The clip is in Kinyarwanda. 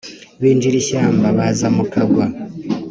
Binjira ishyamba, baza mu Kagwa;